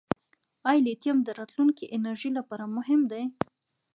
آیا لیتیم د راتلونکي انرژۍ لپاره مهم دی؟